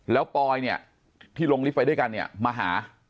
แล้วปอยเนี่ยที่ลงลิฟต์ไปด้วยกันเนี่ยมาหา